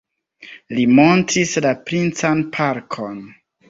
Li montris la princan parkon.